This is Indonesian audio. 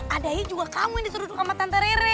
ada aja juga kamu yang diserut sama tante rere